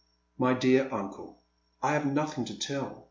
" My dear uncle, I have nothing to tell.